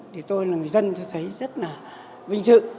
thì tôi là người dân tôi thấy rất là vinh dự